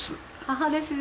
母です